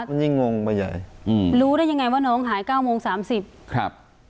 มันยิ่งงงไปใหญ่อืมรู้ได้ยังไงว่าน้องหายเก้าโมงสามสิบครับ